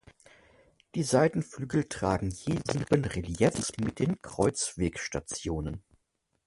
Die Seitenflügel tragen je sieben Reliefs mit den Kreuzwegstationen.